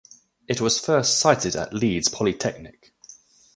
It was first sited at Leeds Polytechnic.